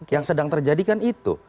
yang sedang terjadikan itu